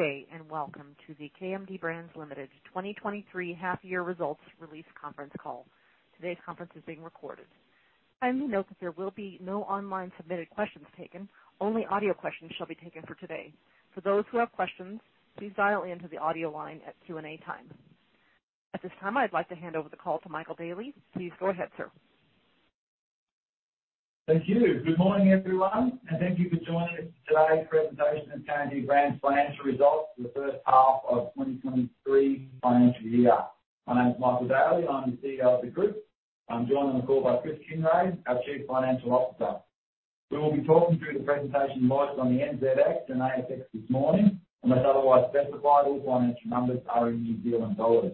Good day, welcome to the KMD Brands Limited 2023 half year results release conference call. Today's conference is being recorded. Kindly note that there will be no online submitted questions taken. Only audio questions shall be taken for today. For those who have questions, please dial in to the audio line at Q&A time. At this time, I'd like to hand over the call to Michael Daly. Please go ahead, sir. Thank you. Good morning, everyone, thank you for joining us for today's presentation of KMD Brands' financial results for the first half of 2023 financial year. My name is Michael Daly, I'm the CEO of the group. I'm joined on the call by Chris Kinraid, our chief financial officer. We will be talking through the presentation advised on the NZX and ASX this morning. Unless otherwise specified, all financial numbers are in New Zealand dollars.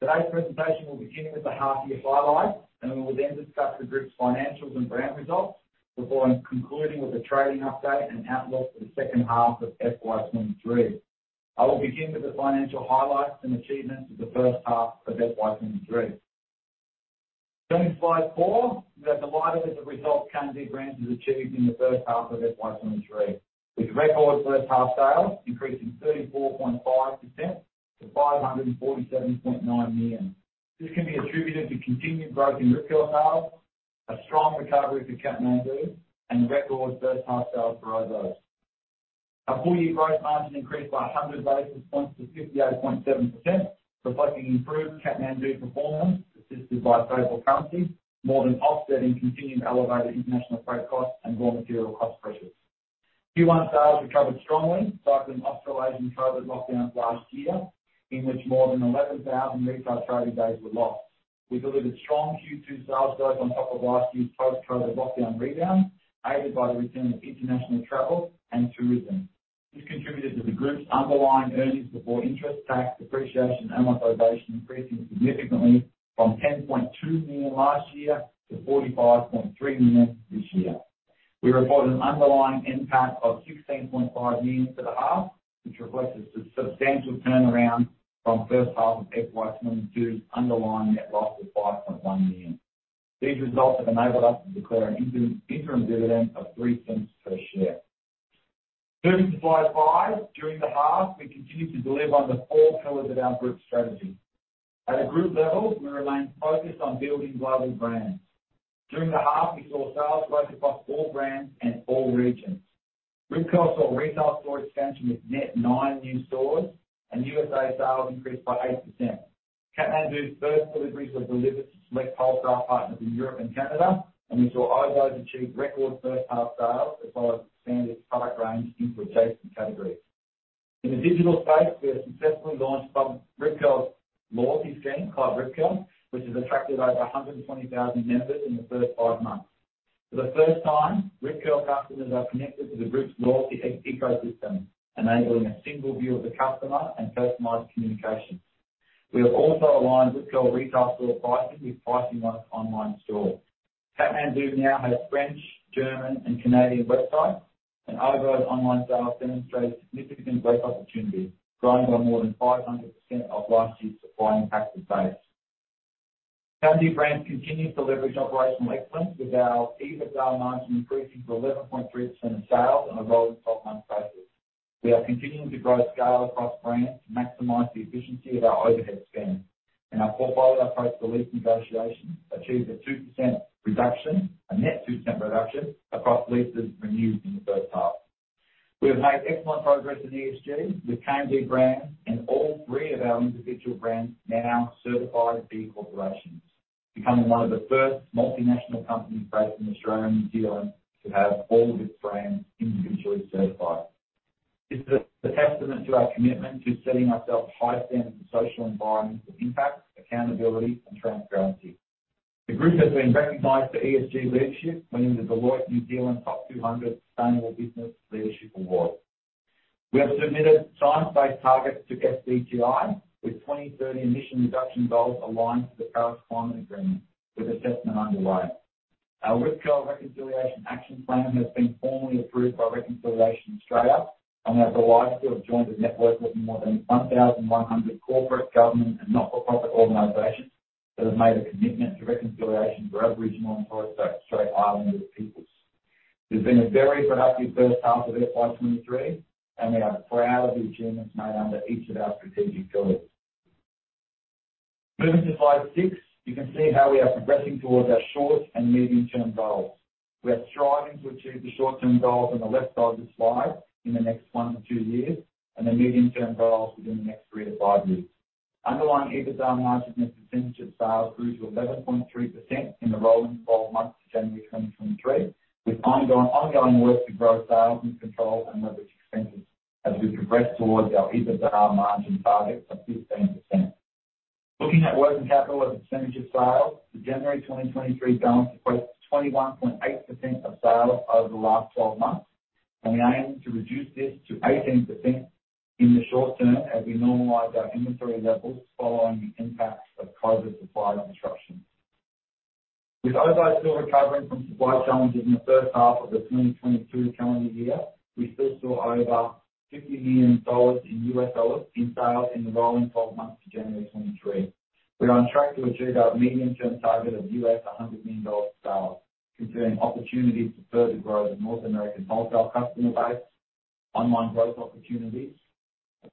Today's presentation will begin with the half year highlights, we will then discuss the group's financials and brand results before concluding with a trading update and outlook for the second half of FY 2023. I will begin with the financial highlights and achievements of the first half of FY 2023. Turning to slide four, we have the highlights of results KMD Brands has achieved in the first half of FY 2023. With record first half sales increasing 34.5% to 547.9 million. This can be attributed to continued growth in Rip Curl sales, a strong recovery for Kathmandu, and record first half sales for Oboz. Our full-year growth margin increased by 100 basis points to 58.7%, reflecting improved Kathmandu performance assisted by favorable currency, more than offsetting continued elevated international freight costs and raw material cost pressures. Q1 sales recovered strongly following Australasian Covid lockdowns last year, in which more than 11,000 retail trading days were lost. We delivered strong Q2 sales growth on top of last year's post-Covid lockdown rebound, aided by the return of international travel and tourism. This contributed to the group's underlying EBITDA increasing significantly from 10.2 million last year to 45.3 million this year. We report an underlying NPAT of 16.5 million for the half, which reflects a substantial turnaround from first half of FY 2022's underlying net loss of 5.1 million. These results have enabled us to declare an interim dividend of 0.03 per share. Moving to slide five. During the half, we continued to deliver on the four pillars of our group strategy. At a group level, we remain focused on building global brands. During the half, we saw sales growth across all brands and all regions. Rip Curl saw retail store expansion with net nine new stores and USA sales increased by 8%. Kathmandu's first deliveries were delivered to select wholesale partners in Europe and Canada. We saw Oboz achieve record first half sales as well as expand its product range into adjacent categories. In the digital space, we have successfully launched Rip Curl's loyalty scheme, Club Rip Curl, which has attracted over 120,000 members in the first five months. For the first time, Rip Curl customers are connected to the group's loyalty ecosystem, enabling a single view of the customer and personalized communication. We have also aligned Rip Curl retail store pricing with pricing on its online store. Kathmandu now has French, German, and Canadian websites, and Oboz online sales demonstrate significant growth opportunities, growing by more than 500% of last year's supply and passive base. KMD Brands continues to leverage operational excellence with our EBITDA margin increasing to 11.3% of sales on a rolling 12-month basis. We are continuing to grow scale across brands to maximize the efficiency of our overhead spend. Our portfolio approach to lease negotiations achieved a net 2% reduction across leases renewed in the first half. We have made excellent progress in ESG. With KMD Brands and all three of our individual brands now certified B corporations, becoming one of the first multinational companies based in Australia and New Zealand to have all of its brands individually certified. This is a testament to our commitment to setting ourselves high standards in social environment of impact, accountability, and transparency. The group has been recognized for ESG leadership, winning the Deloitte New Zealand Top 200 Sustainable Business Leadership award. We have submitted science-based targets to SBTi with 2030 emission reduction goals aligned to the Paris Climate Agreement, with assessment underway. Our Rip Curl Reconciliation Action Plan has been formally approved by Reconciliation Australia. We are delighted to have joined a network of more than 1,100 corporate, government, and not-for-profit organizations that have made a commitment to reconciliation for Aboriginal and Torres Strait Islander peoples. This has been a very productive first half of FY 2023. We are proud of the achievements made under each of our strategic pillars. Moving to slide six, you can see how we are progressing towards our short and medium-term goals. We are striving to achieve the short-term goals on the left side of the slide in the next one to two years and the medium-term goals within the next three to five years. Underlying EBITDA margin as a percentage of sales grew to 11.3% in the rolling 12 months to January 2023, with ongoing work to grow sales, control, and leverage expenses as we progress towards our EBITDA margin target of 15%. Looking at working capital as a percentage of sales, the January 2023 balance equates to 21.8% of sales over the last 12 months. We aim to reduce this to 18% in the short term as we normalize our inventory levels following the impacts of COVID supply disruptions. With Oboz still recovering from supply challenges in the first half of the 2022 calendar year, we still saw over $50 million in US dollars in sales in the rolling 12 months to January 2023. We're on track to achieve our medium-term target of US $100 million sales, considering opportunities to further grow the North American wholesale customer base, online growth opportunities,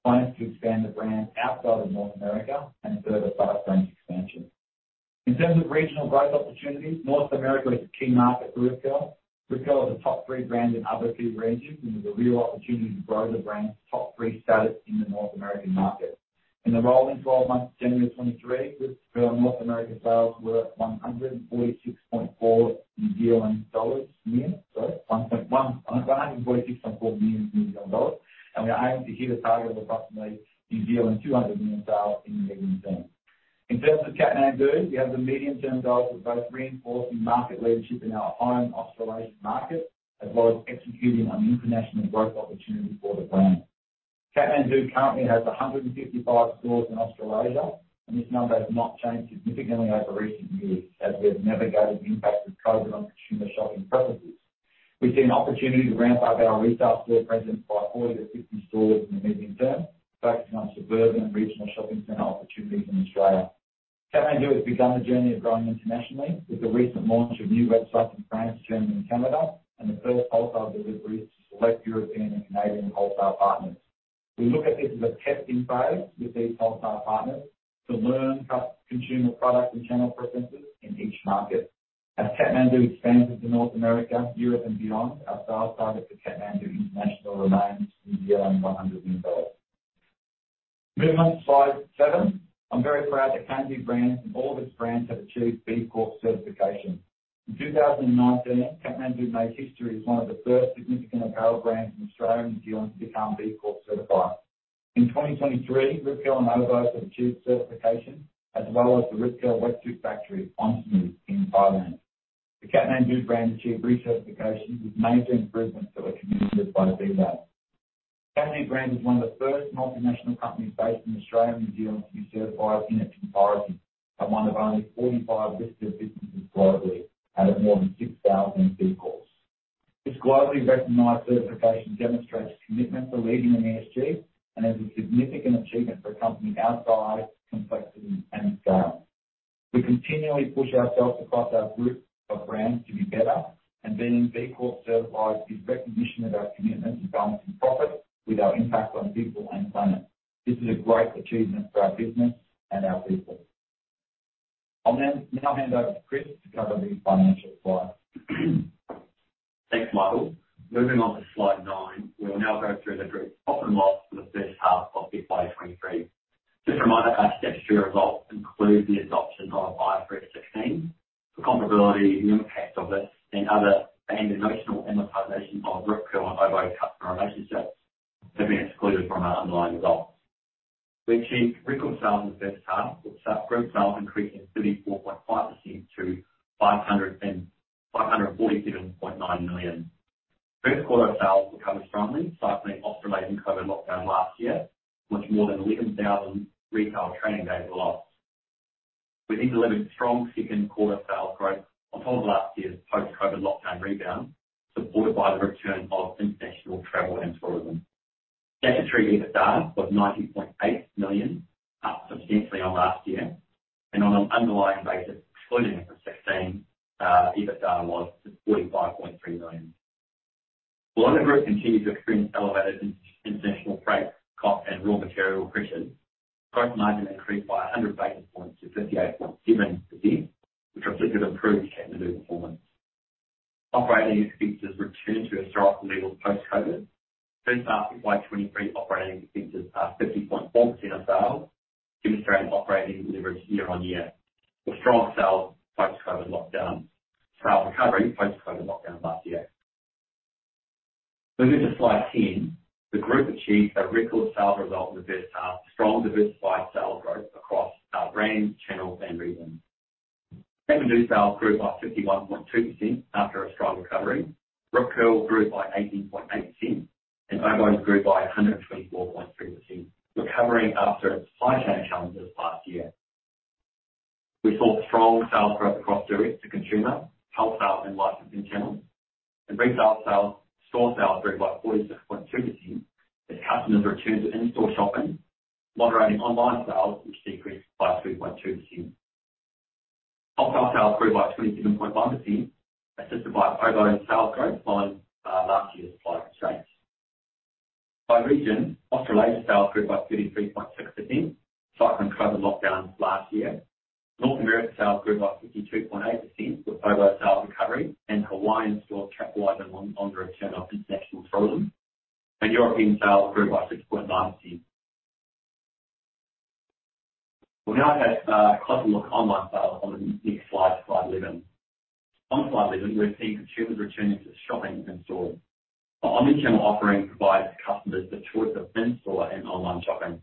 plans to expand the brand outside of North America, and further product range expansion. In terms of regional growth opportunities, North America is a key market for Rip Curl. Rip Curl is a top three brand in other key regions, and there's a real opportunity to grow the brand's top three status in the North American market. In the rolling 12 months, January 2023, Rip Curl North American sales were 146.4 million. Sorry. 146.4 million dollars. We are aiming to hit a target of approximately 200 million sales in the medium term. In terms of Kathmandu, we have the medium-term goals of both reinforcing market leadership in our home Australasian market, as well as executing on international growth opportunities for the brand. Kathmandu currently has 155 stores in Australasia, this number has not changed significantly over recent years as we have navigated the impact of COVID on consumer shopping preferences. We've seen an opportunity to ramp up our retail store presence by 40 stores-50 stores in the medium term, focusing on suburban and regional shopping center opportunities in Australia. Kathmandu has begun the journey of growing internationally with the recent launch of new websites in France, Germany, and Canada, and the first wholesale deliveries to select European and Canadian wholesale partners. We look at this as a testing phase with these wholesale partners to learn consumer product and channel preferences in each market. As Kathmandu expands into North America, Europe and beyond, our sales target for Kathmandu International remains NZD 100 million. Moving on to slide seven. I'm very proud that KMD Brands and all of its brands have achieved B Corp certification. In 2019, Kathmandu made history as one of the first significant apparel brands in Australia and New Zealand to become B Corp certified. In 2023, Rip Curl and Oboz have achieved certification, as well as the Rip Curl wetsuit factory, Onsmooth in Thailand. The Kathmandu brand achieved recertification with major improvements that were communicated by the B Lab. Kathmandu Brand is one of the first multinational companies based in Australia and New Zealand to be certified in its entirety, and one of only 45 listed businesses globally out of more than 6,000 B Corps. This globally recognized certification demonstrates commitment to leading in ESG and is a significant achievement for a company our size, complexity, and scale. Being B Corp certified is recognition of our commitment to balancing profit with our impact on people and planet. This is a great achievement for our business and our people. I'll now hand over to Chris to cover the financial slide. Thanks, Michael. Moving on to slide nine. We'll now go through the group's profit and loss for the first half of FY 2023. Just a reminder, our statutory results include the adoption of IFRS 16 for comparability, the impact of it and the notional amortization of Rip Curl and Oboz customer relationships have been excluded from our underlying results. We achieved record sales in the first half, with group sales increasing 34.5% to 547.9 million. First quarter sales recovered strongly, cycling off the latest COVID lockdown last year, in which more than 11,000 retail trading days were lost. We delivered strong second quarter sales growth on top of last year's post-COVID lockdown rebound, supported by the return of international travel and tourism. Statutory EBITDA was 90.8 million, up substantially on last year. On an underlying basis, excluding IFRS 16, EBITDA was 45.3 million. While the group continued to experience elevated international freight costs and raw material pressures, gross margin increased by 100 basis points to 58.7%, which reflected improved Kathmandu performance. Operating expenses returned to historic levels post-COVID. First half FY 2023 operating expenses are 50.4% of sales, demonstrating operating leverage year-on-year with sales recovery post-COVID lockdown last year. Moving to Slide 10. The group achieved a record sales result in the first half. Strong diversified sales growth across our brands, channels, and regions. Kathmandu sales grew by 51.2% after a strong recovery. Rip Curl grew by 18.8%, and Oboz grew by 124.3%, recovering after supply chain challenges last year. We saw strong sales growth across direct-to-consumer, wholesale, and licensing channels. In retail sales, store sales grew by 46.2% as customers returned to in-store shopping, moderating online sales, which decreased by 2.2%. Wholesale sales grew by 27.1%, assisted by Oboz sales growth following last year's supply constraints. By region, Australasia sales grew by 33.6%, cycling COVID lockdowns last year. North America sales grew by 52.8% with Oboz sales recovery and Hawaiian stores capitalized on the return of international tourism. European sales grew by 6.9%. We'll now have a closer look at online sales on the next Slide 11. On Slide 11, we're seeing consumers returning to shopping in stores. Our omnichannel offering provides customers the choice of in-store and online shopping.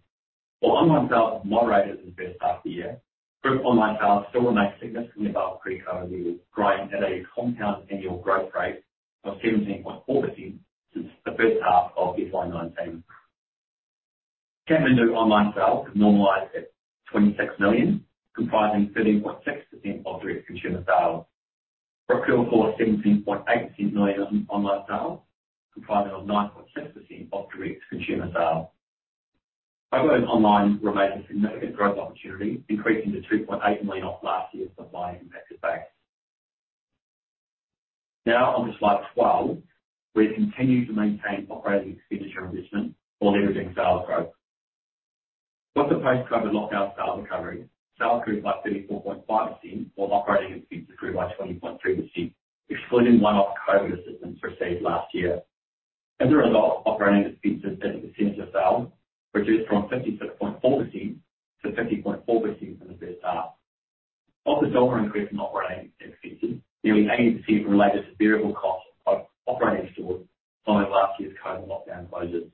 While online sales moderated in the first half of the year, group online sales still remain significantly above pre-COVID levels, growing at a compound annual growth rate of 17.4% since the first half of FY 2019. Kathmandu online sales have normalized at 26 million, comprising 13.6% of direct consumer sales. For a total of 17.8 million on online sales, comprising of 9.6% of direct consumer sales. Oboz online remains a significant growth opportunity, increasing to 2.8 million off last year's supply impact effect. On to Slide 12, we continue to maintain operating expenditure investment while leveraging sales growth. Despite COVID lockdown sales recovery, sales grew by 34.5% while operating expenses grew by 20.3%, excluding one-off COVID assistance received last year. As a result, operating expenses as a percentage of sale reduced from 50.4% to 50.4% in the first half. Of the dollar increase in operating expenses, nearly 80% related to variable costs of operating stores following last year's COVID lockdown closures.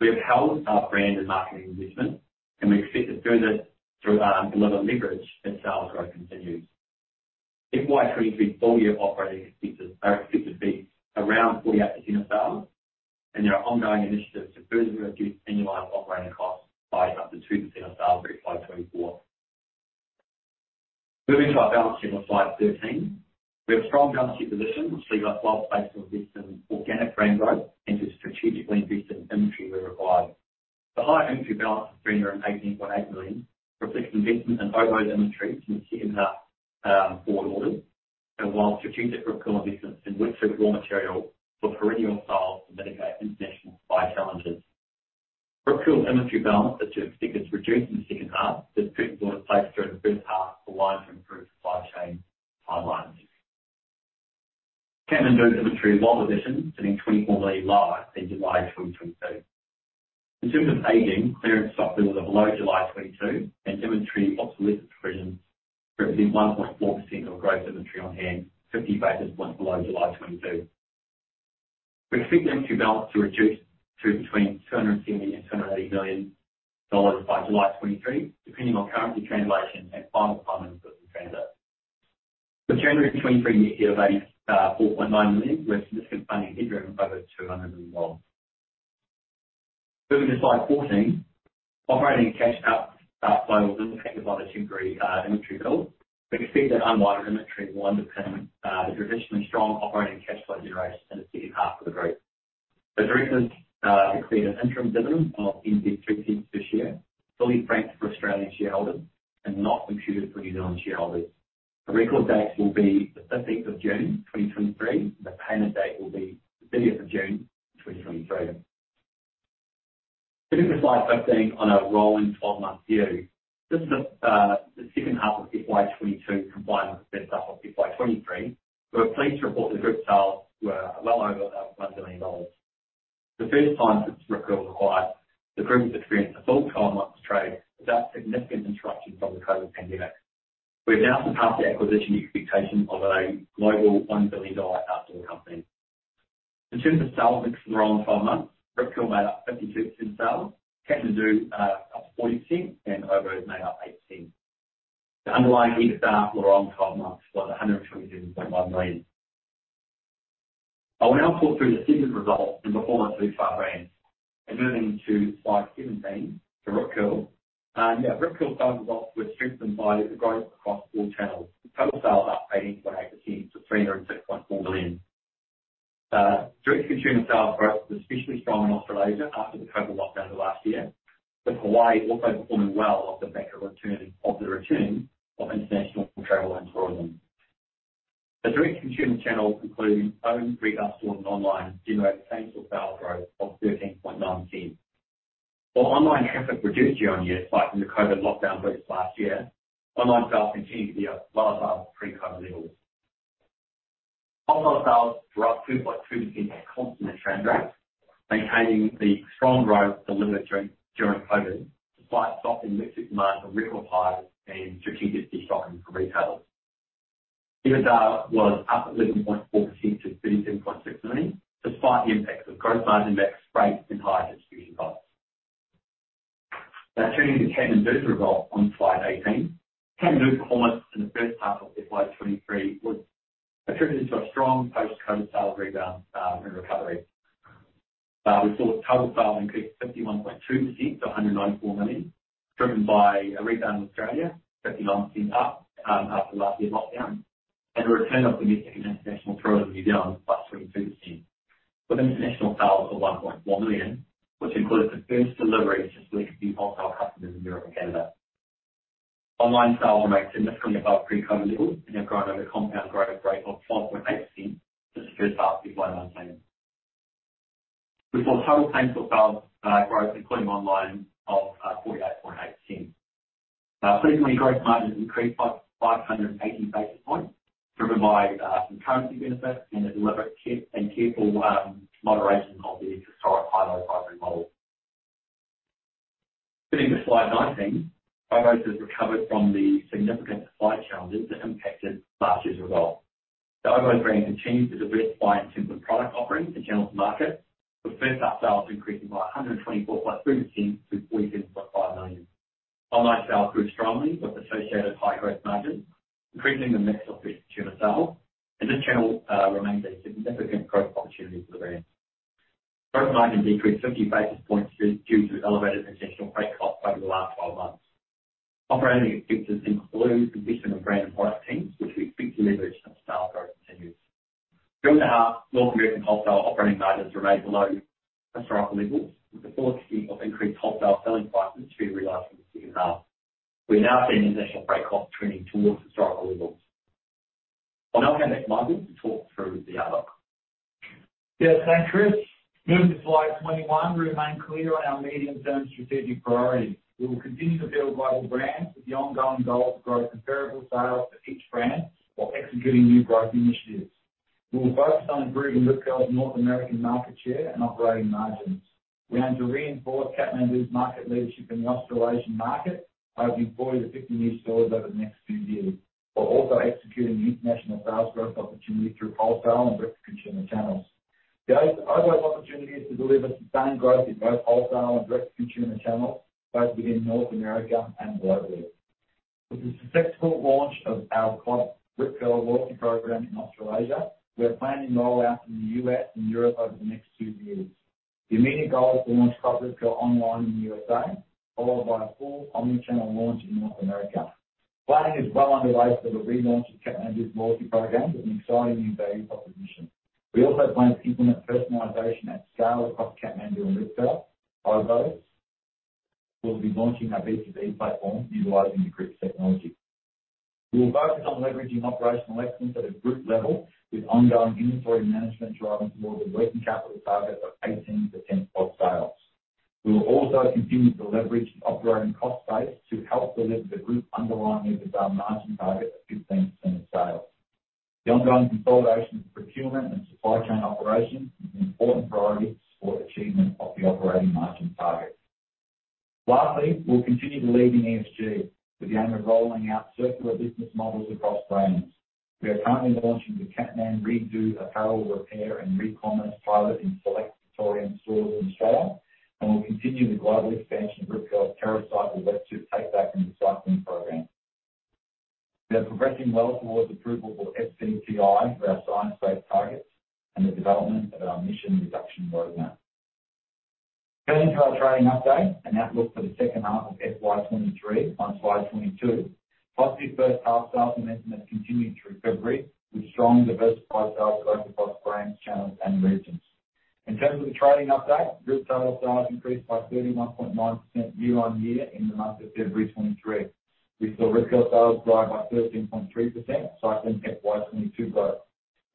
We have held our brand and marketing investment, and we expect to do that through deliver leverage as sales growth continues. FY 2023 full-year operating expenses are expected to be around 48% of sales, and there are ongoing initiatives to further reduce annualized operating costs by up to 2% of sales by 2024. Moving to our balance sheet on Slide 13. We have a strong balance sheet position, which leaves us well-placed to invest in organic brand growth and to strategically invest in inventory where required. The higher inventory balance of 318.8 million reflects investment in Oboz's inventory to meet the increased forward orders and while strategic Rip Curl investments in wetsuit raw material for perennial styles to mitigate international supply challenges. Rip Curl inventory balance is expected to reduce in the second half as orders placed during the first half align to improved supply chain timelines. Kathmandu's inventory is well positioned, sitting 24 million higher than July 2022. In terms of aging, clearance stock levels are below July 2022 and inventory obsolescence provisions representing 1.4% of gross inventory on hand, 50 basis points below July 2022. We expect the inventory balance to reduce to between 270 million and 280 million dollars by July 2023, depending on currency translation and final permanent business transactions. For January 2023 year to date, 4.9 million, we have significant funding headroom of over 200 million dollars. Moving to Slide 14. Operating cash flows is impacted by the temporary inventory build. We expect that underlying inventory will underpin the traditionally strong operating cash flow generation in the second half of the group. The directors declared an interim dividend of 0.03 per share, fully franked for Australian shareholders and not computed for New Zealand shareholders. The record date will be the June 15th 2023. The payment date will be the June 30th 2023. Moving to Slide 15 on a rolling 12-month view. This is the second half of FY 2022 combined with the first half of FY 2023. We're pleased to report the group sales were well over 1 billion dollars. The first time since Rip Curl's acquired, the group has experienced a full 12 months of trade without significant disruption from the COVID pandemic. We've now surpassed the acquisition expectation of a global 1 billion dollar outdoor company. In terms of sales mix for the rolling 12 months, Rip Curl made up 52% of sales, Kathmandu, 40%, and Oboz made up 8%. The underlying EBITDA for the rolling 12 months was 127.1 million. I will now talk through the segment results and performance of each of our brands. Moving to Slide 17, for Rip Curl. Yeah, Rip Curl's sales results were strengthened by the growth across all channels. Total sales up 18.8% to 306.4 million. Direct consumer sales growth was especially strong in Australasia after the COVID lockdown of last year, with Hawaii also performing well off the back of the return of international travel and tourism. The direct consumer channels, including owned retail stores and online, generated tangible sales growth of 13.9%. While online traffic reduced year-on-year, despite from the COVID lockdown boost last year, online sales continued to be at well above pre-COVID levels. Wholesale sales were up 2.2% at constant exchange rates, maintaining the strong growth delivered during COVID, despite soft and mixed market Rip Curl products being strategically stocked for retailers. EBITDA was up 11.4% to 37.6 million, despite the impacts of gross margin mix, freight, and higher distribution costs. Now turning to Kathmandu's results on slide 18. Kathmandu's performance in the first half of FY 2023 was attributed to a strong post-COVID sales rebound and recovery. We saw total sales increase 51.2% to 194 million, driven by a rebound in Australia, 59% up, after last year's lockdown. The return of domestic and international tourism in New Zealand was +22%, with international sales of 1.1 million, which included the first deliveries to selected wholesale customers in Europe and Canada. Online sales remain significantly above pre-COVID levels and have grown at a compound growth rate of 12.8% for the first half of FY 2023. We saw total same store sales growth including online of 48.8%. Seasonally, gross margins increased by 580 basis points, driven by some currency benefits and a deliberate and careful moderation of the historic high inventory model. Moving to Slide 19. Oboz has recovered from the significant supply challenges that impacted last year's result. The Oboz brand continues to diversify its simpler product offerings and channel to market, with first half sales increasing by 124.3% to 47.5 million. Online sales grew strongly with associated high growth margins, increasing the mix of direct consumer sales. This channel remains a significant growth opportunity for the brand. Gross margin decreased 50 basis points due to elevated international freight costs over the last 12 months. Operating expenses include the addition of brand and product teams, which we expect to leverage as sales growth continues. During the half, North American wholesale operating margins remained below historical levels with the full city of increased wholesale selling prices to be realized in the second half. We're now seeing international freight costs trending towards historical levels. I'll now hand back to Michael to talk through the outlook. Thanks, Chris. Moving to Slide 21, remain clear on our medium-term strategic priorities. We will continue to build global brands with the ongoing goal to grow comparable sales for each brand while executing new growth initiatives. We will focus on improving Rip Curl's North American market share and operating margins. We aim to reinforce Kathmandu's market leadership in the Australasian market by opening 40 new stores-50 new stores over the next few years. We're also executing new international sales growth opportunities through wholesale and direct-to-consumer channels. The Oboz opportunity is to deliver sustained growth in both wholesale and direct-to-consumer channels, both within North America and globally. With the successful launch of our Club Rip Curl loyalty program in Australasia, we are planning to roll out in the U.S. and Europe over the next two years. The immediate goal is to launch Club Rip Curl online in the USA, followed by a full omnichannel launch in North America. Planning is well underway for the relaunch of Kathmandu's loyalty program with an exciting new value proposition. We also plan to implement personalization at scale across Kathmandu and Rip Curl. Oboz will be launching our B2B platform utilizing Elastic's technology. We will focus on leveraging operational excellence at a group level with ongoing inventory management driving towards a working capital target of 18% of sales. We will also continue to leverage the operating cost base to help deliver the group underlying EBITDA margin target of 15% of sales. The ongoing consolidation of procurement and supply chain operations is an important priority for achievement of the operating margin target. Lastly, we'll continue to lead in ESG with the aim of rolling out circular business models across brands. We are currently launching the Kathman-REDU apparel repair and recommerce pilot in select Victorian stores in Australia. We'll continue the global expansion of Rip Curl's TerraCycle wetsuit take-back and recycling program. We are progressing well towards approval for SBTi for our science-based targets and the development of our emission reduction roadmap. Turning to our trading update and outlook for the second half of FY 2023 on FY 2022. Positive first half sales momentum has continued through February with strong diversified sales growth across brands, channels, and regions. In terms of the trading update, group total sales increased by 31.9% year-on-year in the month of February 2023. We saw Rip Curl sales rise by 13.3%, cycling FY 2022 growth.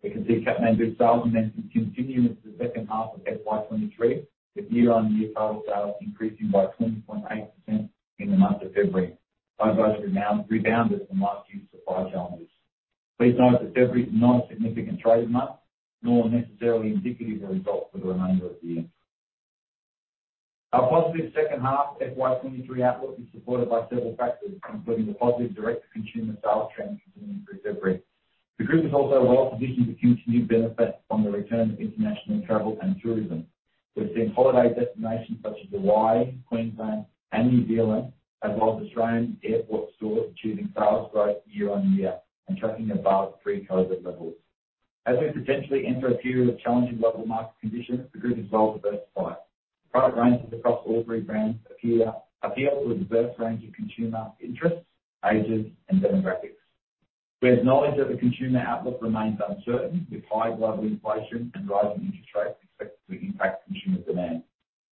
We can see Kathmandu's sales momentum continue into the second half of FY 2023, with year-on-year total sales increasing by 20.8% in the month of February. Oboz's rebounded from last year's supply challenges. Please note that February is not a significant trading month, nor necessarily indicative of the results for the remainder of the year. Our positive second half FY 2023 outlook is supported by several factors, including the positive direct-to-consumer sales trend continuing through February. The group is also well-positioned to continue to benefit from the return of international travel and tourism. We've seen holiday destinations such as Hawaii, Queensland, and New Zealand, as well as Australian airport stores achieving sales growth year-on-year and tracking above pre-COVID levels. We potentially enter a period of challenging global market conditions, the group is well-diversified. Product ranges across all three brands appeal to a diverse range of consumer interests, ages, and demographics. We acknowledge that the consumer outlook remains uncertain, with high global inflation and rising interest rates expected to impact consumer demand.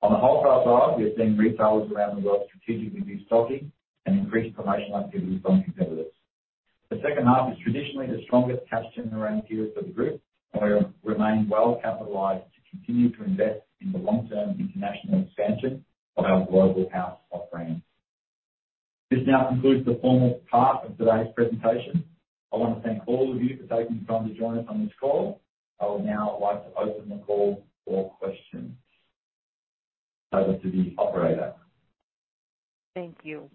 On the wholesale side, we are seeing retailers around the world strategically de-stocking and increase promotional activities from competitors. The second half is traditionally the strongest cash-generating period for the group, and we remain well-capitalized to continue to invest in the long-term international expansion of our global house of brands. This now concludes the formal part of today's presentation. I want to thank all of you for taking the time to join us on this call. I would now like to open the call for questions. Over to the operator. Thank you.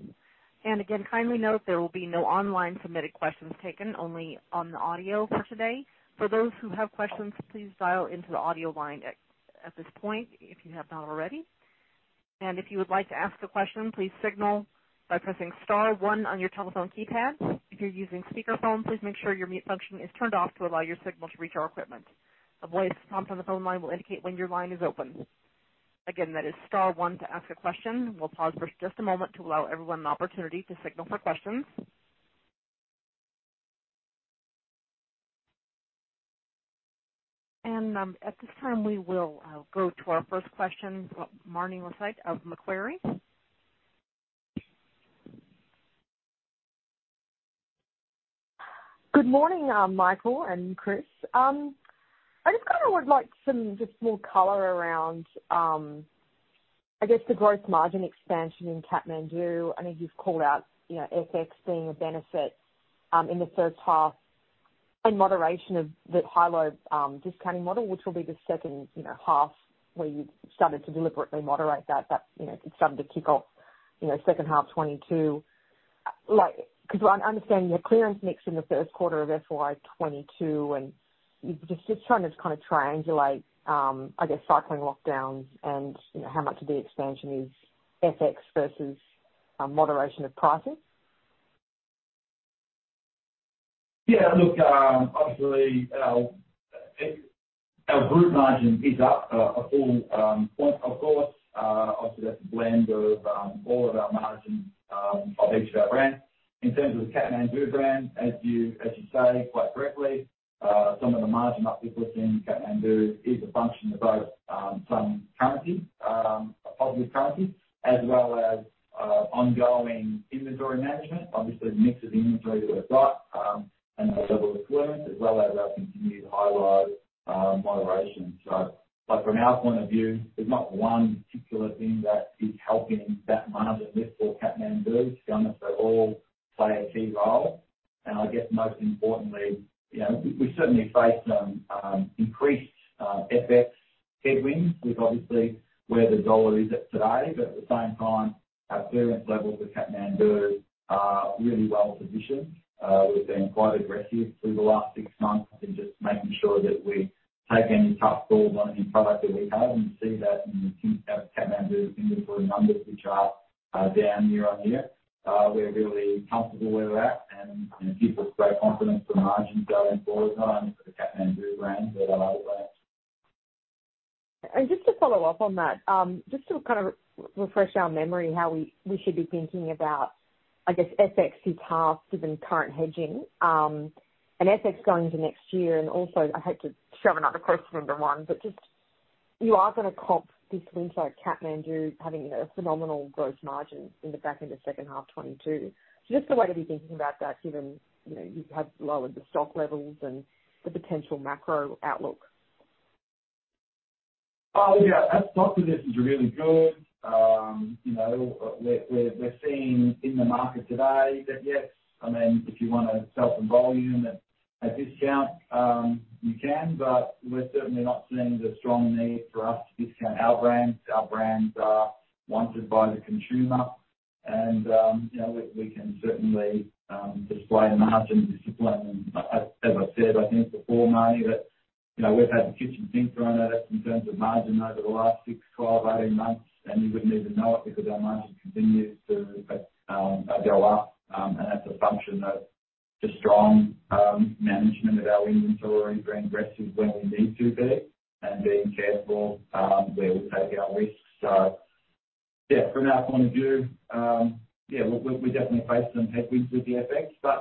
Again, kindly note there will be no online submitted questions taken, only on the audio for today. For those who have questions, please dial into the audio line at this point if you have not already. If you would like to ask a question, please signal by pressing star one on your telephone keypad. If you're using speakerphone, please make sure your mute function is turned off to allow your signal to reach our equipment. A voice prompt on the phone line will indicate when your line is open. Again, that is star one to ask a question. We'll pause for just a moment to allow everyone an opportunity to signal for questions. At this time, we will go to our first question. Marni Lysaght of Macquarie. Good morning, Michael and Chris. I just kind of would like some just more color around, I guess the growth margin expansion in Kathmandu. I know you've called out, you know, FX being a benefit in the first half and moderation of the high-low discounting model, which will be the second, you know, half where you've started to deliberately moderate that, you know, it's starting to kick off, you know, second half 2022. Like, 'cause I'm understanding your clearance mix in the first quarter of FY 2022 and just trying to kind of triangulate, I guess, cycling lockdowns and, you know, how much of the expansion is FX versus moderation of pricing. Yeah, look, obviously our group margin is up a full point. Of course, obviously that's a blend of all of our margins of each of our brands. In terms of the Kathmandu brand, as you say, quite correctly, some of the margin uplift we've seen in Kathmandu is a function of both some currency, obvious currency, as well as ongoing inventory management. Obviously the mix of inventory that we've got and our level of clearance, as well as our continued high low moderation. Like, from our point of view, there's not one particular thing that is helping that margin lift for Kathmandu. To be honest, they all play a key role. I guess most importantly, you know, we certainly face some increased FX headwinds with obviously where the dollar is at today. At the same time, our clearance levels with Kathmandu are really well positioned. We've been quite aggressive through the last six months in just making sure that we take any tough call on any product that we have and see that in Kathmandu inventory numbers, which are down year-on-year. We're really comfortable where we're at and, you know, gives us great confidence for margins going forward, not only for the Kathmandu brand, but our other brands. Just to follow up on that, just to kind of refresh our memory how we should be thinking about, I guess, FX to task, given current hedging, and FX going into next year? I hate to shove another question into one, but just you are gonna comp this winter at Kathmandu having a phenomenal growth margin in the back end of second half 2022? Just the way to be thinking about that given, you know, you have lowered the stock levels and the potential macro outlook? Oh, yeah. Our stock position is really good. You know, we're seeing in the market today that, yes, I mean, if you wanna sell some volume at discount, you can, but we're certainly not seeing the strong need for us to discount our brands. Our brands are wanted by the consumer. You know, we can certainly display margin discipline. As I said, I think before, Marnie, that, you know, we've had the kitchen sink thrown at us in terms of margin over the last six months, 12 months, 18 months, and you wouldn't even know it because our margin continues to go up. That's a function of the strong management of our inventory, being aggressive when we need to be and being careful where we take our risks. Yeah, from our point of view, we're definitely facing some headwinds with the FX.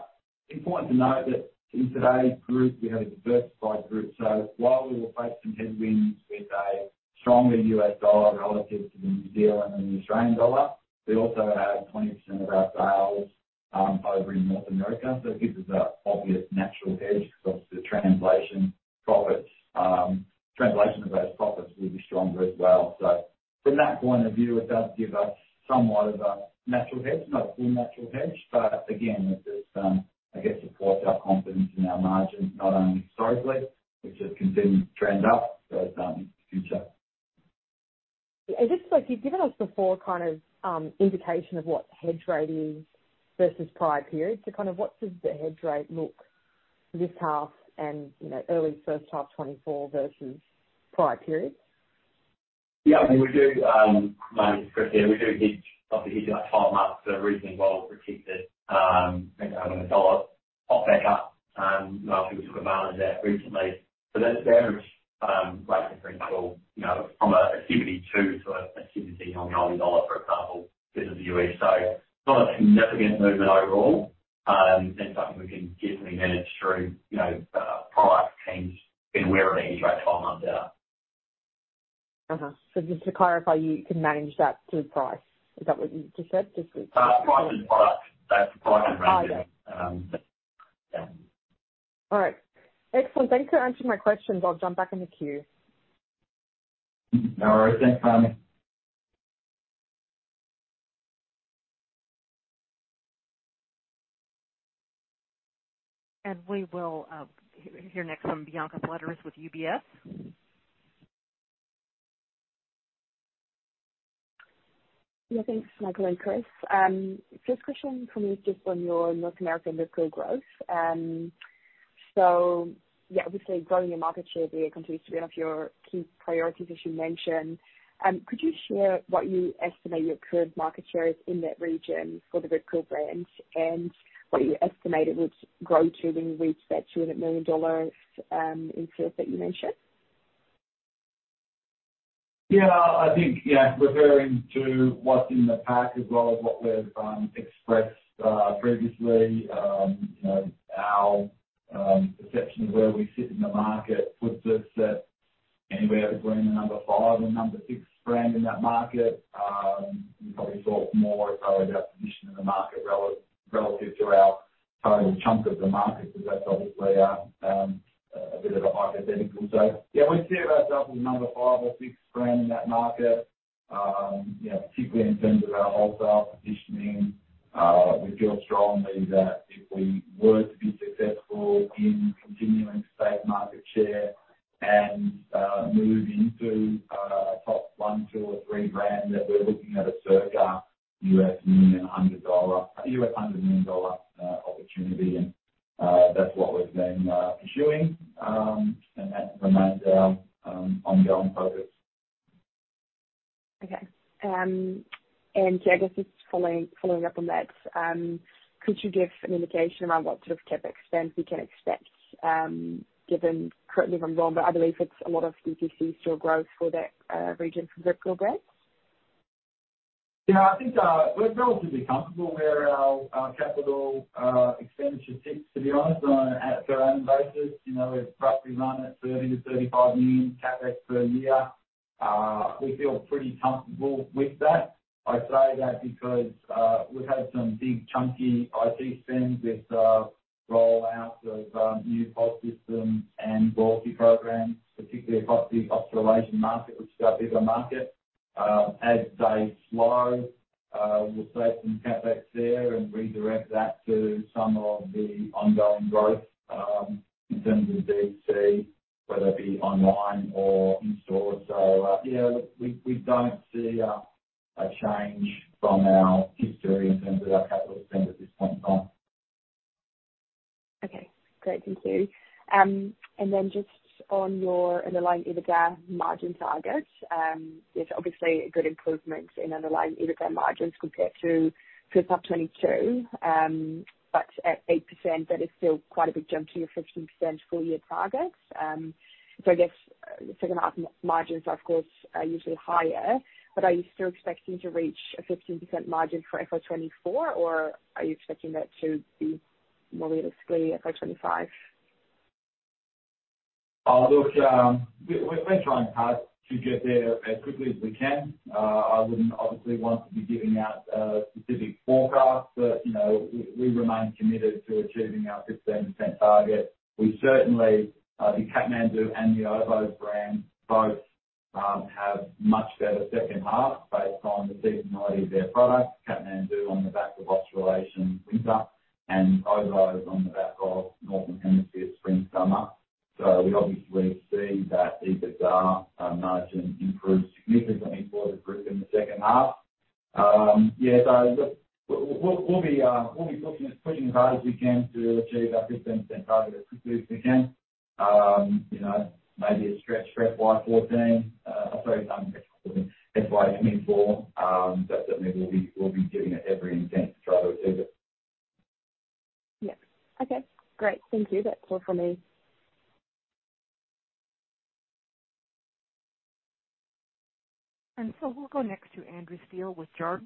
Important to note that in today's group we have a diversified group. While we will face some headwinds with a stronger US dollar relative to the New Zealand and Australian dollar, we also have 20% of our sales over in North America. It gives us a obvious natural hedge because obviously the translation profits, translation of those profits will be stronger as well. From that point of view, it does give us somewhat of a natural hedge. Not a full natural hedge, again, it just, I guess, supports our confidence in our margins, not only historically, which has continued to trend up, but into the future. Just like you've given us before, kind of, indication of what the hedge rate is versus prior periods. Kind of what does the hedge rate look this half and, you know, early first half 2024 versus prior periods? I mean, we do, Marnie, Chris here, we do hedge, obviously hedge our 12 months for a reason, well protected. You know, when the dollar popped back up, a lot of people took advantage of that recently. That average rate, for example, you know, from a activity two to a activity on the Aussie dollar, for example, versus the U.S. dollar. It's not a significant movement overall, and something we can definitely manage through, you know, product teams being aware of the hedge rate 12 months out. Just to clarify, you can manage that through price. Is that what you just said? Price and product. That's price and range. Price, yeah. Yeah. All right. Excellent. Thanks for answering my questions. I'll jump back in the queue. No worries. Thanks, Marnie. We will hear next from Bianca Fledderus with UBS. Thanks, Michael and Chris. First question for me is just on your North American Rip Curl growth. Obviously, growing your market share there continues to be one of your key priorities, as you mentioned. Could you share what you estimate your current market share is in that region for the Rip Curl brand and what you estimate it would grow to when you reach that $200 million in sales that you mentioned? Yeah, I think, yeah, referring to what's in the pack as well as what we've expressed previously, you know, our perception of where we sit in the market puts us at anywhere between the number five and number six brand in that market. You probably saw it more as probably our position in the market relative to our total chunk of the market, because that's obviously a bit of a hypothetical. Yeah, we see ourselves as number five or six brand in that market. You know, particularly in terms of our wholesale positioning, we feel strongly that if we were to be successful in continuing to take market share and move into a top one, two or three brand, that we're looking at a circa $100 million opportunity. That's what we've been pursuing. That remains our ongoing focus. Okay. Yeah, I guess just following up on that, could you give an indication around what sort of CapEx spend we can expect, given currently if I'm wrong, but I believe it's a lot of DTC store growth for that region from Rip Curl. Yeah, I think, we're relatively comfortable where our capital expenditure sits, to be honest, on a go-on basis. You know, we've roughly run at 30 million-35 million CapEx per year. We feel pretty comfortable with that. I say that because we've had some big chunky IT spends with rollout of new POS systems and loyalty programs, particularly across the Australasian market, which is our bigger market. As they slow, we'll save some CapEx there and redirect that to some of the ongoing growth, in terms of DTC, whether it be online or in-store. Yeah, we don't see a change from our history in terms of our capital spend at this point in time. Okay, great. Thank you. On your underlying EBITDA margin target, there's obviously a good improvement in underlying EBITDA margins compared to FY 2022. At 8%, that is still quite a big jump to your 15% full year targets. I guess second half margins, of course, are usually higher, but are you still expecting to reach a 15% margin for FY 2024, or are you expecting that to be more realistically FY 2025? Look, we're trying hard to get there as quickly as we can. I wouldn't obviously want to be giving out a specific forecast, but, you know, we remain committed to achieving our 15% target. We certainly, the Kathmandu and the Oboz brands both have much better second half based on the seasonality of their products. Kathmandu on the back of Australasian winter and Oboz on the back of Northern Hemisphere spring, summer. We obviously see that EBITDA margin improve significantly for the group in the second half. Yeah, look, we'll be pushing as hard as we can to achieve our 15% target as quickly as we can. You know, maybe a stretch FY 2014. Sorry, FY 2024. Certainly, we'll be giving it every intent to try to achieve it. Yes. Okay, great. Thank you. That's all for me. We'll go next to Andrew Steele with Jarden.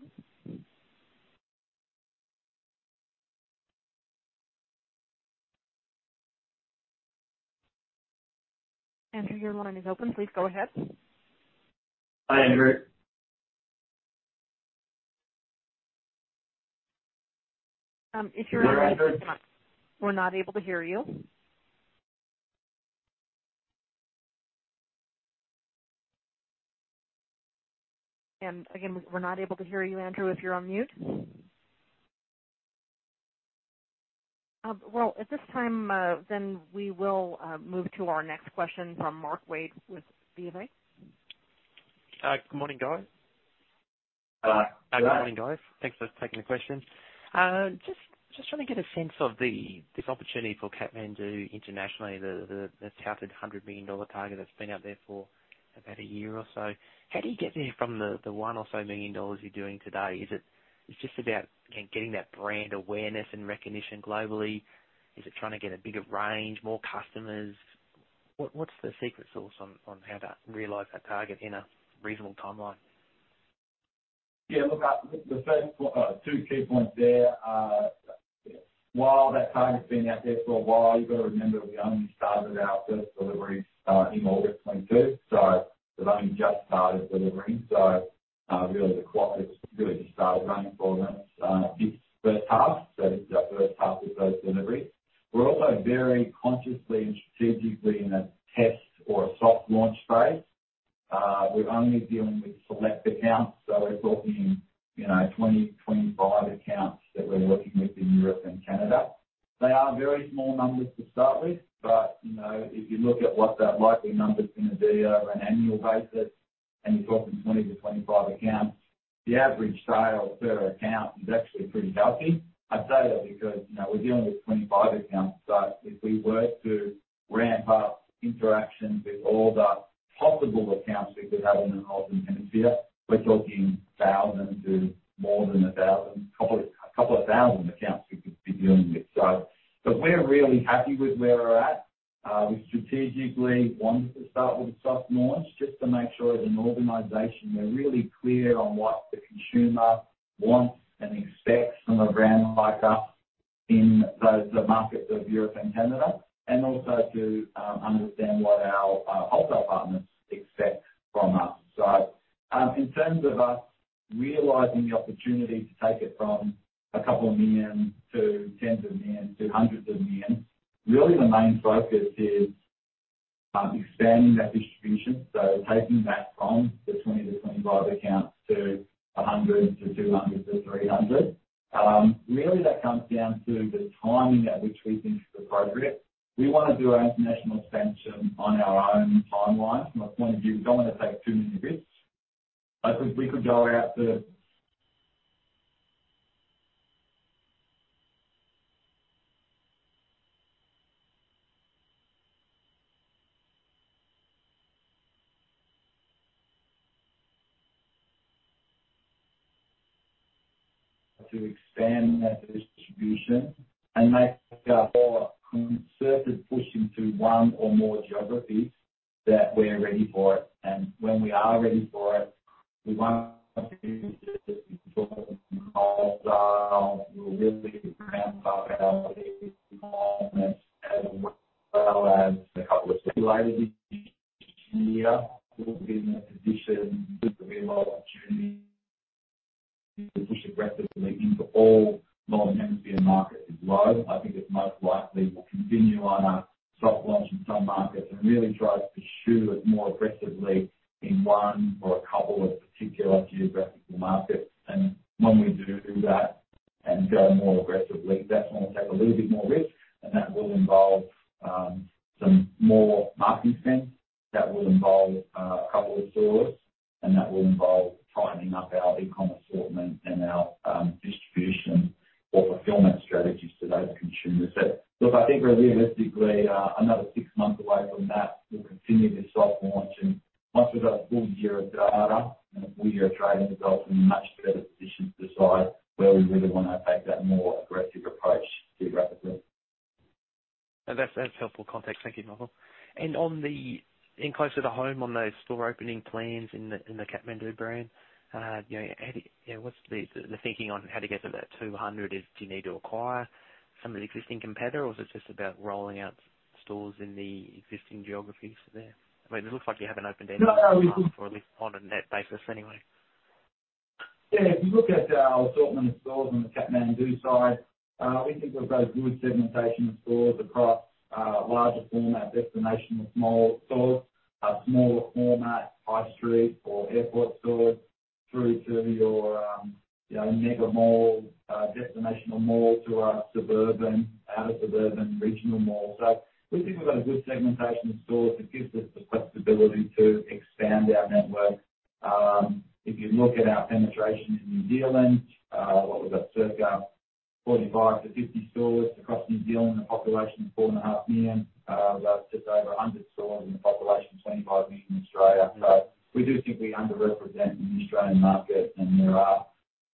Andrew, your line is open. Please go ahead. Hi, Andrew. Can you hear me, Andrew? We're not able to hear you. Again, we're not able to hear you, Andrew, if you're on mute. Well, at this time, then we will move to our next question from Mark Wade with CLSA. Good morning, guys. Hi. Good morning, guys. Thanks for taking the question. Just trying to get a sense of this opportunity for Kathmandu internationally, the touted 100 million dollar target that's been out there for about a year or so. How do you get there from the 1 million or so you're doing today? Is it just about, again, getting that brand awareness and recognition globally? Is it trying to get a bigger range, more customers? What's the secret sauce on how to realize that target in a reasonable timeline? Yeah, look, the first two key points there. While that target's been out there for a while, you've got to remember we only started our first delivery in August 2022, so we've only just started delivering. Really the clock has really just started running for this first half. This is our first half with those deliveries. We're also very consciously and strategically in a test or a soft launch phase. We're only dealing with select accounts, so we're talking, you know, 20 accounts, 25 accounts that we're working with in Europe and Canada. They are very small numbers to start with, but, you know, if you look at what that likely number's gonna be over an annual basis, and you're talking 20 accounts-25 accounts, the average sale per account is actually pretty healthy. I say that because, you know, we're dealing with 25 accounts, so if we were to ramp up interaction with all the possible accounts we could have in the Northern Hemisphere, we're talking thousands to more than 1,000, a couple of thousand accounts we could be dealing with. So we're really happy with where we're at. We strategically wanted to start with a soft launch just to make sure as an organization we're really clear on what the consumer wants and expects from a brand like us in those, the markets of Europe and Canada, and also to understand what our wholesale partners expect from us. In terms of us realizing the opportunity to take it from a couple of million to tens of millions to hundreds of millions, really the main focus is expanding that distribution. Taking that from the 20 accounts-25 accounts to 100 accounts-200 accounts to 300 accounts. Really that comes down to the timing at which we think is appropriate. We wanna do our international expansion on our own timeline. From my point of view, we don't wanna take too many risks. I think we could go out To expand that distribution and make a more concerted push into one or more geographies that we're ready for it. And when we are ready for it, we wanna as well as a couple of later this year. We'll be in a position with a real opportunity to push aggressively into all Northern Hemisphere markets as well. I think it most likely will continue on a soft launch in some markets and really try to pursue it more aggressively in one or a couple of particular geographical markets. When we do that and go more aggressively, that's when we'll take a little bit more risk, smaller format, high street or airport stores, through to your, you know, mega mall, destinational malls to our suburban, outer suburban regional malls. We think we've got a good segmentation of stores that gives us the flexibility to expand our network. If you look at our penetration in New Zealand, what we've got circa 45 stores-50 stores across New Zealand, a population of 4.5 million. We've got just over 100 stores in the population of 25 million in Australia. We do think we underrepresent in the Australian market, there are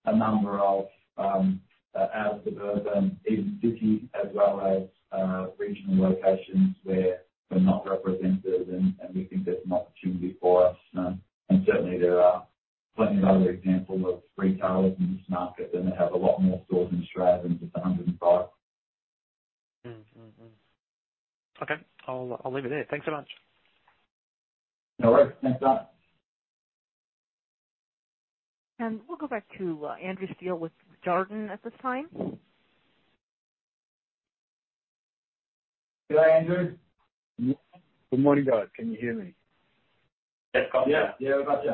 a number of, outer suburban, inner city, as well as, regional locations where we're not represented and we think there's an opportunity for us. Certainly there are plenty of other examples of retailers in this market, they have a lot more stores in Australia than just 105 stores. Okay. I'll leave it there. Thanks so much. No worries. Thanks, Dan. We'll go back to Andrew Steele with Jarden at this time. Go ahead, Andrew. Good morning, guys. Can you hear me? Yes, got ya. Yeah. Yeah, we got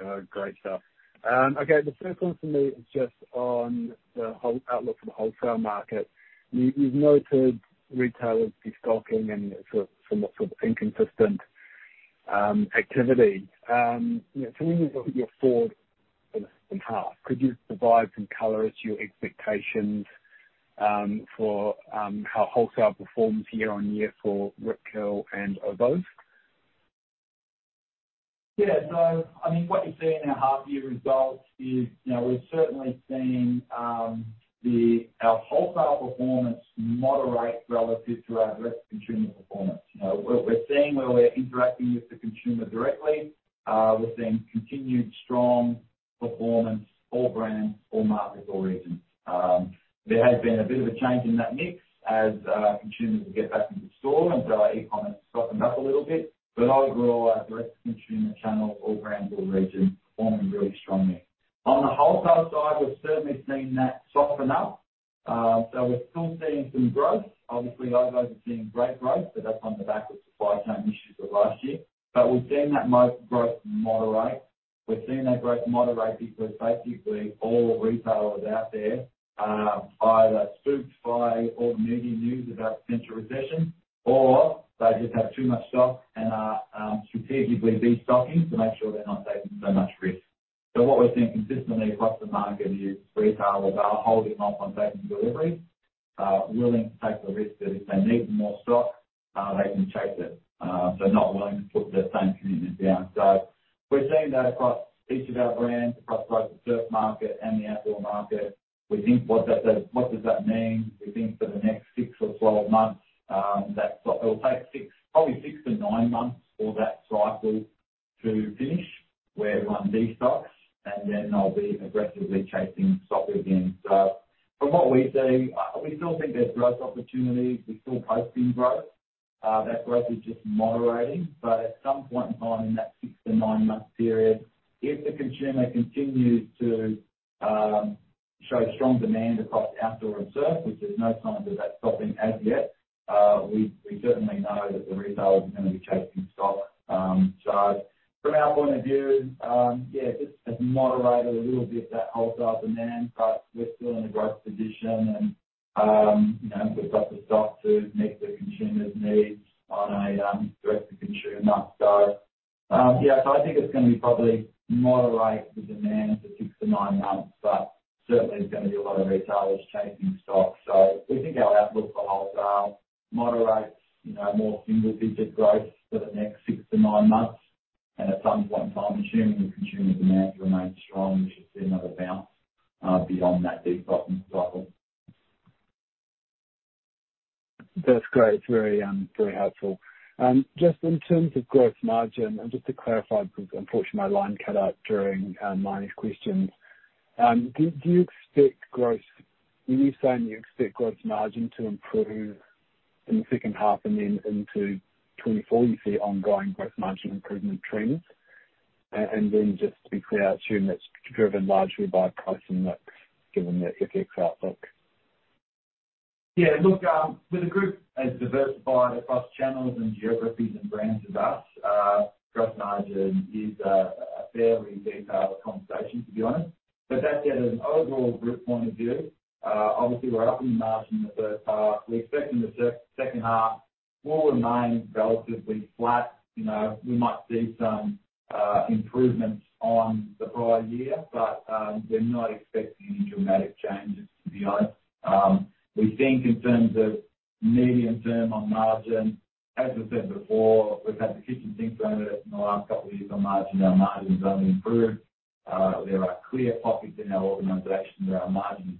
ya. Great stuff. Okay. The first one for me is just on the whole outlook for the wholesale market. You've noted retailers destocking and sort of some sort of inconsistent activity. You know, for me, your forward in half, could you provide some color as to your expectations for how wholesale performs year on year for Rip Curl and Oboz? I mean, what you see in our half-year results is, you know, we've certainly seen our wholesale performance moderate relative to our direct consumer performance. You know, we're seeing where we're interacting with the consumer directly, we're seeing continued strong performance, all brands, all markets, all regions. There has been a bit of a change in that mix as consumers get back into store. months, probably six to nine months for that cycle to finish where everyone destocks and then they'll be aggressively chasing stock again. From what we see, we still think there's growth opportunities. We're still posting growth. That growth is just moderating. At some point in time in that six to nine-month period, if the consumer continues to show strong demand across outdoor and surf, which there's no signs of that stopping as yet, we certainly know that the retailers are gonna be chasing stock. From our point of view, just has moderated a little bit, that wholesale demand, but we're still in a growth position and, you know, we've got the stock to meet the consumer's needs on a direct to consumer. I think it's gonna be probably moderate the demand for six to nine months, but certainly there's gonna be a lot of retailers chasing stock. We think our outlook for wholesale moderates, you know, more single-digit growth for the next six to nine months. At some point in time, assuming the consumer demand remains strong, we should see another bounce beyond that deep bottom level. That's great. It's very, very helpful. Just in terms of gross margin, and just to clarify, because unfortunately my line cut out during Marni's questions. Do you expect when you're saying you expect gross margin to improve in the second half and then into 2024, you see ongoing gross margin improvement trends. Just to be clear, I assume that's driven largely by pricing that's given the FX outlook. Yeah, look, with a group as diversified across channels and geographies and brands as us, gross margin is a fairly detailed conversation, to be honest. That said, as an overall group point of view, obviously we're up in margin in the first half. We expect in the second half, we'll remain relatively flat. You know, we might see some improvements on the prior year, but we're not expecting any dramatic changes, to be honest. We think in terms of medium term on margin, as we've said before, we've had the kitchen sink thrown at us in the last couple of years on margin. Our margin has only improved. There are clear pockets in our organization where our margin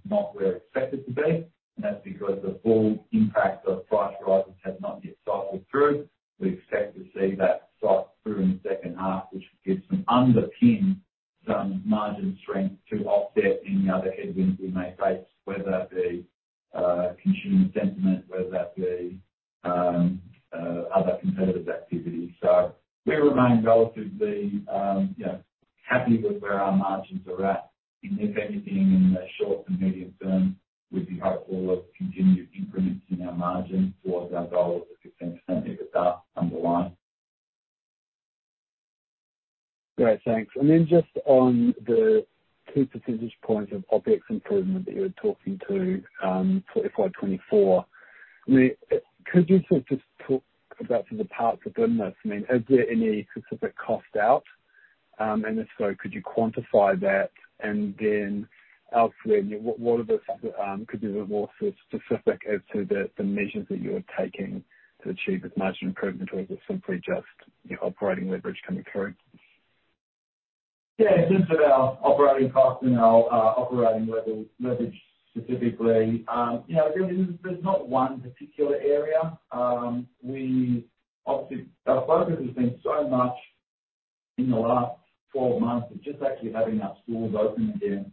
12 months of just actually having our stores open again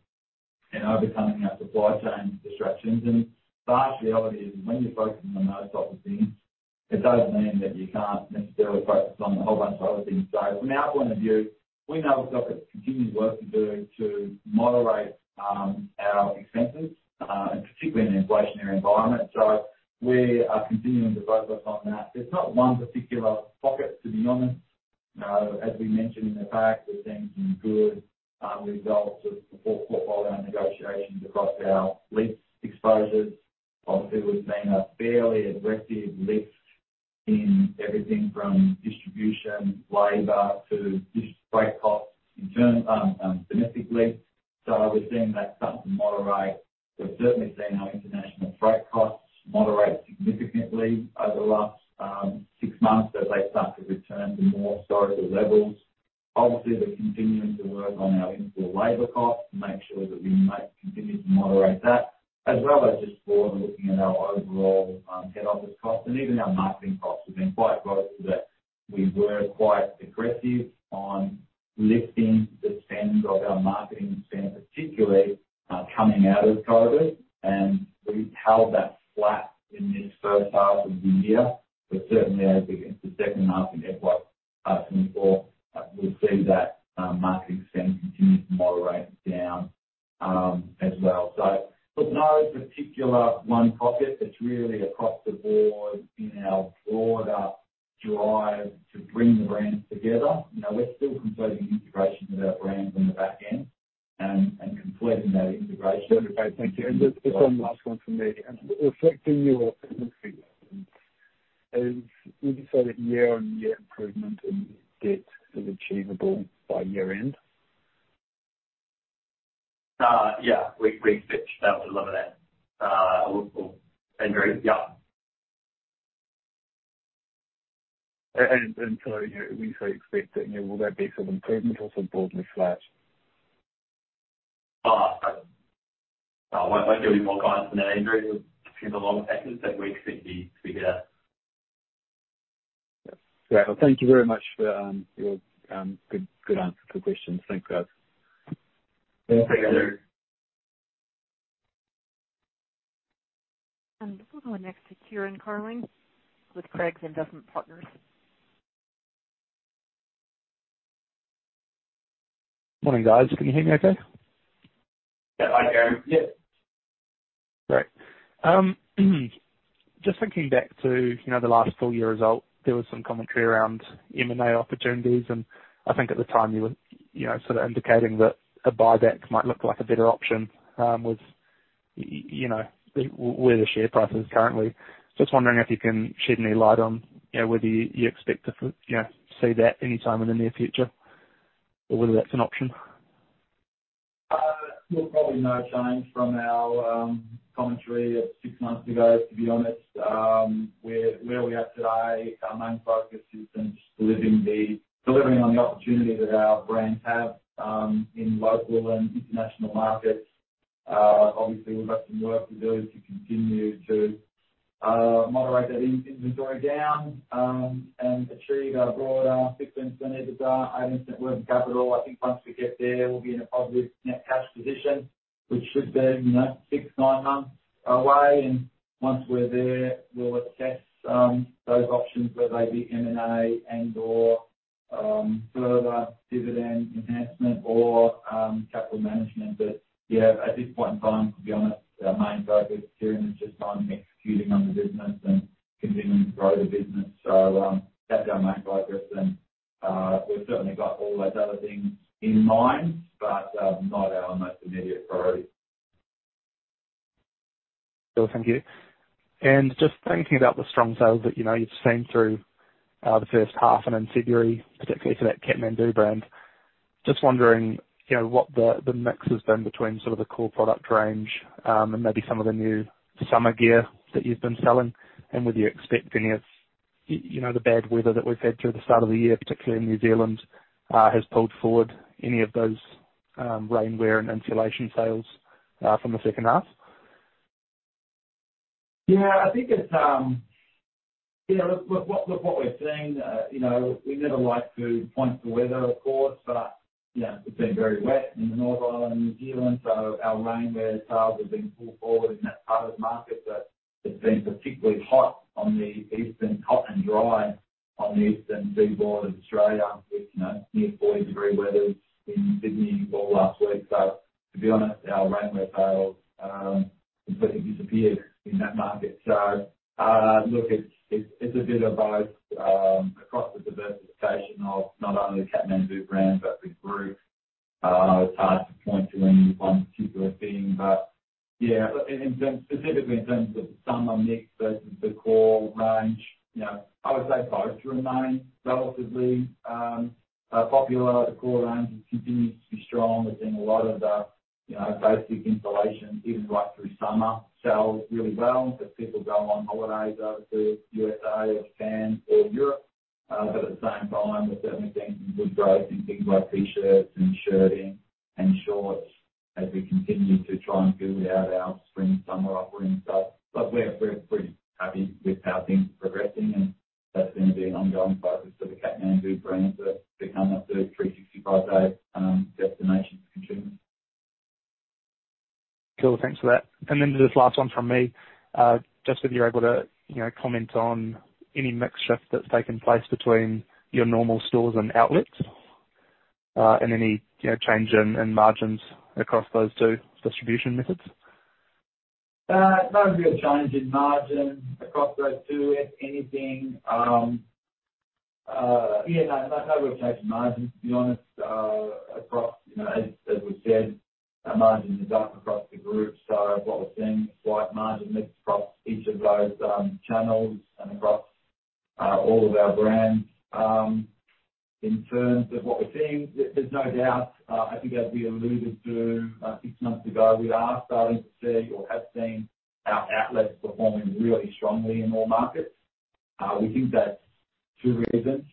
and overcoming our supply chain disruptions. The harsh reality is when you're focusing on those type of things, it does mean that you can't necessarily focus on a whole bunch of other things. From our point of view, we know we've got continued work to do to moderate our expenses, and particularly in an inflationary environment. We are continuing to focus on that. There's not one particular pocket, to be honest. As we mentioned in the past, we've seen some good results of portfolio negotiations across our lease exposures. Obviously, we've seen a fairly aggressive lift achievable by year-end? Yeah, we expect that level of that, Andrew. Yeah. We sort of expect that, you know, will there be some improvement or sort of broadly flat? I won't go into more guidance than that, Andrew. In terms of all the factors that we expect you to figure out. Yeah. Thank you very much for, your good answer to the questions. Thanks, guys. Yeah. Thank you. We'll go next to Kieran Carling with Craigs Investment Partners. Morning, guys. Can you hear me okay? Yeah. Hi, Kieran. Yeah. Great. Just thinking back to, you know, the last full year result, there was some commentary around M&A opportunities. I think at the time you were, you know, sort of indicating that a buyback might look like a better option, you know, where the share price is currently. Just wondering if you can shed any light on, you know, whether you expect to you know, see that any time in the near future or whether that's an option? There's probably no change from our commentary of six months ago, to be honest. Where we are today, our main focus is in just delivering on the opportunity that our brands have in local and international markets. Obviously, we've got some work to do to continue to moderate that in-inventory down and achieve our broader 6% EBITDA, 8% working capital. I think once we get there, we'll be in a positive net cash position, which should be, you know, six months, nine months away. Once we're there, we'll assess those options, whether they be M&A and/or further dividend enhancement or capital management. At this point in time, to be honest, our main focus here is just on executing on the business and continuing to grow the business. That's our main focus and we've certainly got all those other things in mind, but not our most immediate priority. Cool. Thank you. Just thinking about the strong sales that, you know, you've seen through the first half and in February, particularly for that Kathmandu brand. Just wondering, you know, what the mix has been between sort of the core product range and maybe some of the new summer gear that you've been selling. Whether you expect any of, you know, the bad weather that we've had through the start of the year, particularly in New Zealand, has pulled forward any of those rainwear and insulation sales from the second half. Yeah, I think it's. Yeah, look what we're seeing, you know, we never like to point to weather, of course, but, you know, it's been very wet in the North Island, New Zealand, so our rainwear sales have been pulled forward in that part of the market. It's been particularly hot and dry on the eastern seaboard of Australia with, you know, near 40-degree weather in Sydney all last week. To be honest, our rainwear sales completely disappeared in that market. Look, it's a bit of both across the diversification of not only the Kathmandu brand, but the group. It's hard to point to any one particular thing. Yeah, in terms, specifically in terms of summer mix versus the core range, you know, I would say both remain relatively popular. The core range has continued to be strong. There's been a lot of, you know, basic insulation, even right through summer, sells really well because people go on holidays over to USA or Japan or Europe. At the same time, we've certainly seen good growth in things like T-shirts and shirting and shorts as we continue to try and build out our spring/summer offering. We're, we're pretty happy with how things are progressing, and that's gonna be an ongoing focus for the Kathmandu brand to become a 365-day destination for consumers. Cool. Thanks for that. Just last one from me. Just if you're able to, you know, comment on any mix shift that's taken place between your normal stores and outlets, and any, you know, change in margins across those two distribution methods? No real change in margins across those two. If anything, no real change in margins, to be honest, across, you know, as we've said, our margins are up across the group. What we're seeing is slight margin mix across each of those channels and across all of our brands. In terms of what we're seeing, there's no doubt, I think as we alluded to about six months ago, we are starting to see or have seen our outlets performing really strongly in all markets. We think that's two reasons.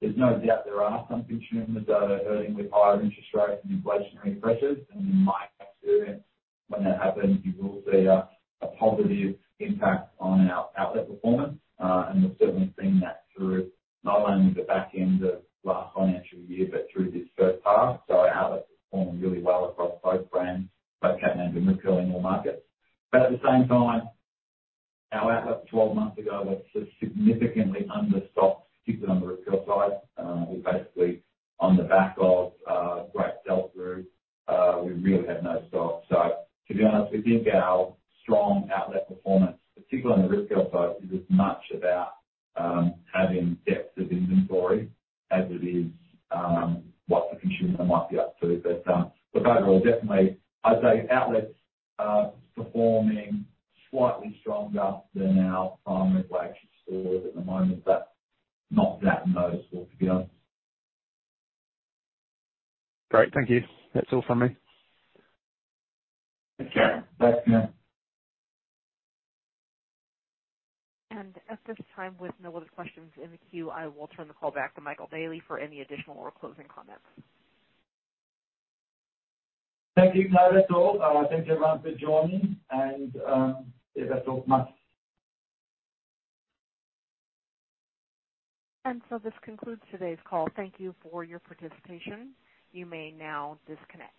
There's no doubt there are some consumers that are hurting with higher interest rates and inflationary pressures. In my experience, when that happens, you will see a positive impact on our outlet performance. We've certainly seen that through not only the back end of last financial year, but through this first half. Outlets performing really well across both brands, both Kathmandu and Rip Curl in all markets. At the same time, our outlets 12 months ago were significantly under stocked, particularly on the Rip Curl side. We basically, on the back of great sell-through, we really had no stock. To be honest, we think our strong outlet performance, particularly on the Rip Curl side, is as much about having depth of inventory as it is what the consumer might be up to. Overall, definitely I'd say outlets are performing slightly stronger than our primary flagship stores at the moment, but not that noticeable, to be honest. Great. Thank you. That's all from me. Okay. Thanks, Matt. At this time, with no other questions in the queue, I will turn the call back to Michael Daly for any additional or closing comments. Thank you, Claire. That's all. Thank you everyone for joining, and, yeah, that's all from us. This concludes today's call. Thank you for your participation. You may now disconnect.